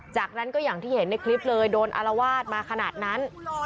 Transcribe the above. จากนั้นก็อย่างที่เห็นในคลิปเลยโดนอารวาสมาขนาดนั้น